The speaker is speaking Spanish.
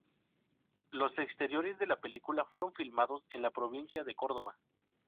Los exteriores de la película fueron filmados en la provincia de Córdoba.